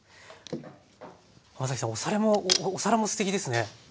さんお皿もすてきですね。